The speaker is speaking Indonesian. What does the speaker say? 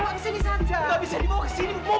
ambil nafas panjang